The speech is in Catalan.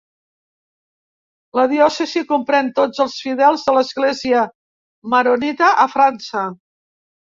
La diòcesi comprèn tots els fidels de l'església maronita a França.